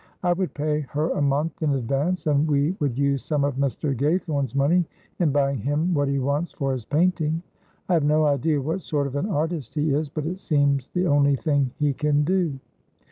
I would pay her a month in advance, and we would use some of Mr. Gaythorne's money in buying him what he wants for his painting. I have no idea what sort of an artist he is, but it seems the only thing he can do."